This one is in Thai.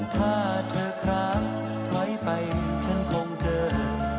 ถ้าเธอค้างถอยไปฉันคงเดิน